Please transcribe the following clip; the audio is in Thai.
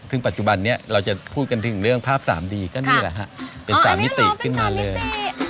ซึ่งปัจจุบันนี้เราจะพูดกันถึงเรื่องภาพสามดีก็นี่แหละฮะเป็น๓มิติขึ้นมาเลย